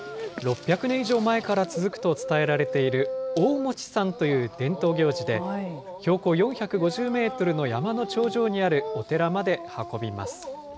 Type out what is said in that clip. ６００年以上前から続くと伝えられている大餅さんという伝統行事で、標高４５０メートルの山の頂上にあるお寺まで運びます。